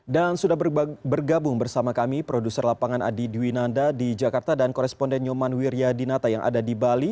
dan sudah bergabung bersama kami produser lapangan adi diwinanda di jakarta dan koresponden nyoman wiryadinata yang ada di bali